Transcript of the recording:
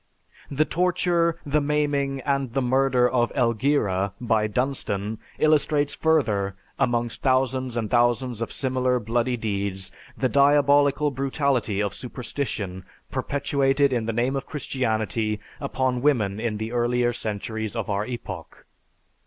"The torture, the maiming, and the murder of Elgira by Dunstan illustrates further, amongst thousands and thousands of similar bloody deeds, the diabolical brutality of superstition perpetuated in the name of Christianity upon women in the earlier centuries of our epoch.